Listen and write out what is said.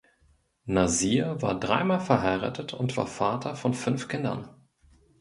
Nasir war dreimal verheiratet und war Vater von fünf Kindern.